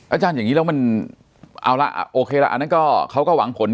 อย่างนี้แล้วมันเอาละโอเคละอันนั้นก็เขาก็หวังผล